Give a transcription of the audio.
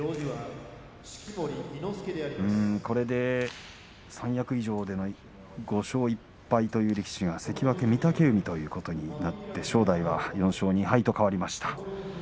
これで三役以上での、５勝１敗という力士が関脇御嶽海ということになって正代は４勝２敗と変わりました。